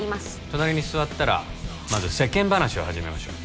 隣に座ったらまず世間話を始めましょう